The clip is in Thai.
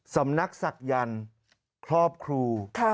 สำนักศักยันต์ครอบครู